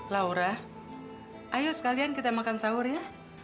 laura ayo sekalian kita makan sahur ya